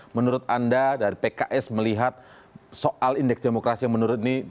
menurut anda dari pks melihat soal indeks demokrasi yang menurun ini